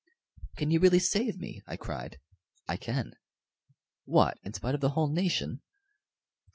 "Can you really save me?" I cried. "I can." "What! in spite of the whole nation?"